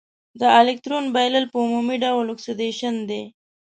د الکترون بایلل په عمومي ډول اکسیدیشن دی.